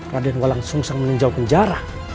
raden wolang sungsang meninjau penjara